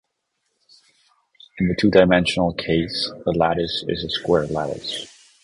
In the two-dimensional case, the lattice is a square lattice.